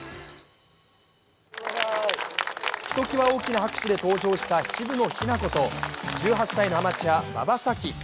ひときわ大きな拍手で登場した渋野日向子と１８歳のアマチュア・馬場咲希。